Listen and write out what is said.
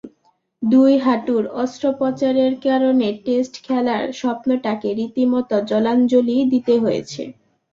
দুই হাঁটুর অস্ত্রোপচারের কারণে টেস্ট খেলার স্বপ্নটাকে রীতিমতো জলাঞ্জলিই দিতে হয়েছে।